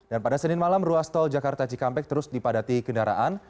dan pada senin malam ruas tol jakarta cikampek terus dipadati kendaraan